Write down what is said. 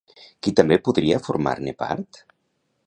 Qui també podria formar-ne part?